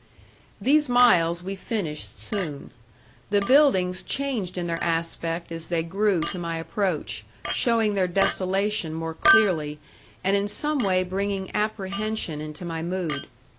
These miles we finished soon. The buildings changed in their aspect as they grew to my approach, showing their desolation more clearly, and in some way bringing apprehension into my mood.